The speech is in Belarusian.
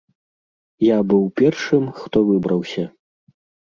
Я быў першым, хто выбраўся.